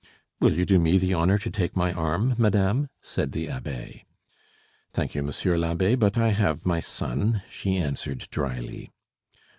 "Will you do me the honor to take my arm, madame?" said the abbe. "Thank you, monsieur l'abbe, but I have my son," she answered dryly.